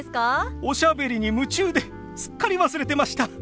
おしゃべりに夢中ですっかり忘れてました。